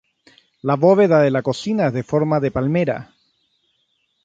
La bóveda de la cocina es de forma de palmera.